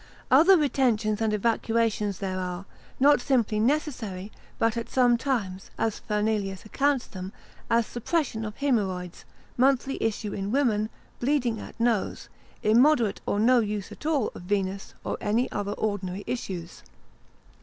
Other retentions and evacuations there are, not simply necessary, but at some times; as Fernelius accounts them, Path. lib. 1. cap. 15, as suppression of haemorrhoids, monthly issues in women, bleeding at nose, immoderate or no use at all of Venus: or any other ordinary issues.